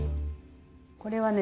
これはね